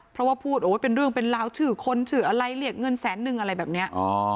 เพราะว่าพูดโอ้ยเป็นเรื่องเป็นราวชื่อคนชื่ออะไรเรียกเงินแสนนึงอะไรแบบนี้